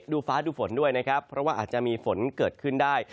ฟ้าดูฝนด้วยนะครับเพราะว่าอาจจะมีฝนเกิดขึ้นได้